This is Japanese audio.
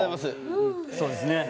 そうですね。